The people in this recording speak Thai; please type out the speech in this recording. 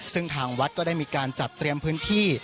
ซึ่งทางวัดก็ได้มีการจัดเตรียมพื้นที่